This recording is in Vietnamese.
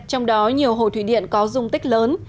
trong đó nhiều hồ thủy điện có dung tích lớn